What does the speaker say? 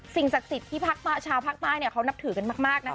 ศักดิ์สิทธิ์ที่ชาวภาคใต้เขานับถือกันมากนะคะ